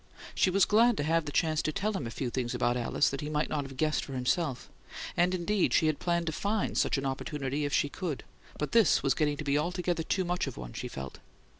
She was glad to have the chance to tell him a few things about Alice he might not have guessed for himself, and, indeed, she had planned to find such an opportunity, if she could; but this was getting to be altogether too much of one, she felt.